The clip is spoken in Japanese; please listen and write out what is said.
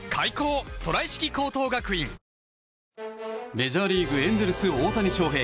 メジャーリーグエンゼルス、大谷翔平。